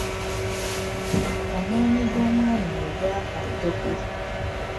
Amaanyi g’omwami oyo gaafa ttogge.